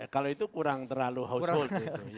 kalau itu kurang terlalu household